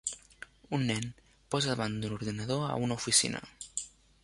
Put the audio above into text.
Un nen posa davant d'un ordinador a una oficina.